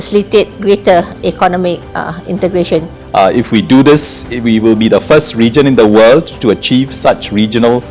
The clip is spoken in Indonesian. jika kita melakukan ini kita akan menjadi sebuah negara pertama di dunia untuk mencapai konektivitas pembayaran real times regional